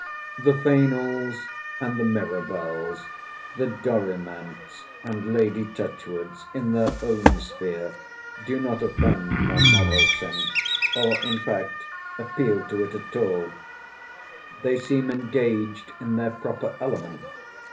—The Fainalls and the Mirabels, the Dorimants and the Lady Touchwoods, in their own sphere, do not offend my moral sense; in fact they do not appeal to it at all. They seem engaged in their proper element.